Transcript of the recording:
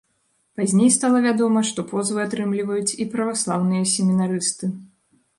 Пазней стала вядома, што позвы атрымліваюць і праваслаўныя семінарысты.